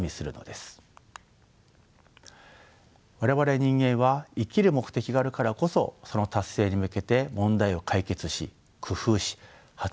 我々人間は生きる目的があるからこそその達成に向けて問題を解決し工夫し発明し前進してきました。